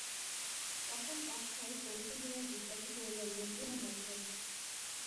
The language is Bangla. তখন অক্ষয় গম্ভীর হইয়া জিজ্ঞাসা করিলেন, মুর্গি না মটন!